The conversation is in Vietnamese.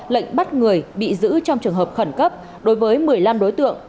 lệnh bắt người bị giữ trong trường hợp khẩn cấp đối với một mươi năm đối tượng